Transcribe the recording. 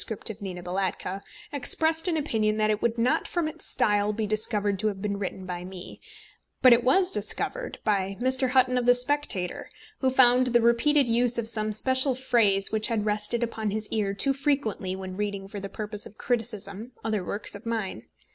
of Nina Balatka, expressed an opinion that it would not from its style be discovered to have been written by me; but it was discovered by Mr. Hutton of the Spectator, who found the repeated use of some special phrase which had rested upon his ear too frequently when reading for the purpose of criticism other works of mine.